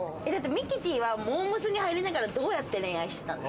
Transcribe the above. ミキティーは、モー娘。に入りながら、どうやって恋愛してたの？